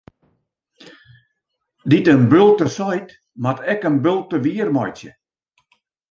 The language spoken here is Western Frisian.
Dy't in bulte seit, moat ek in bulte wiermeitsje.